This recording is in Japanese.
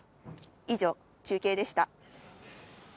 以上、中継でした。